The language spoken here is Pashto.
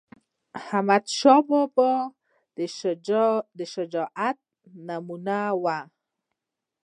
احمدشاه بابا د شجاعت نمونه وه..